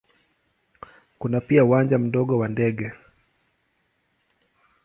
Kuna pia uwanja mdogo wa ndege.